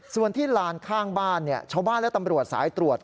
ส่วนที่ลานข้างบ้านชาวบ้านและตำรวจสายตรวจ